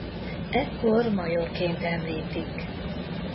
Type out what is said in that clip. Ekkor majorként említik.